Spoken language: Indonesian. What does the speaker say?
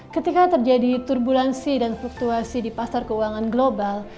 ketika terjadi turbulensi dan fluktuasi di pasar keuangan global